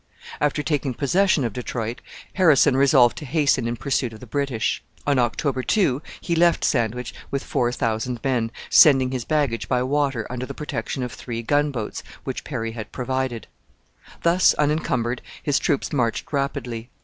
After taking possession of Detroit, Harrison resolved to hasten in pursuit of the British. On October 2 he left Sandwich with four thousand men, sending his baggage by water under the protection of three gunboats which Perry had provided. Thus unencumbered, his troops marched rapidly.